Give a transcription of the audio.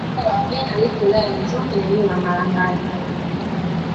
Kabila la Wabena liko wilaya ya Njombe na eneo la Malangali